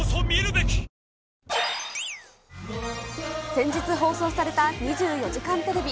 先日放送された２４時間テレビ。